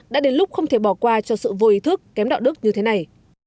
đã đến lúc không thể bỏ qua cho sự vô ý thức kém đạo đức như thế này